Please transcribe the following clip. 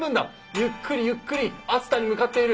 ゆっくりゆっくり熱田に向かっている。